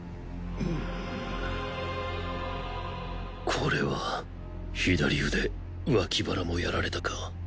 これは左腕脇腹もやられたか。